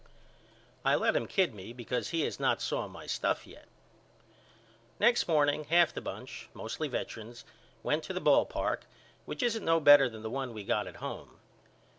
I let him kid me because he has not saw my stuff yet. Next morning half the bunch mostly vetrans went to the ball park which isn't no better than the one we got at home.